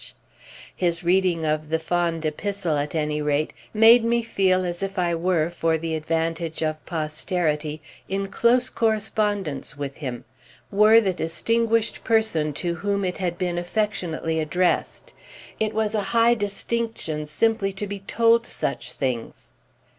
His reading of the fond epistle, at any rate, made me feel as if I were, for the advantage of posterity, in close correspondence with him—were the distinguished person to whom it had been affectionately addressed. It was a high distinction simply to be told such things.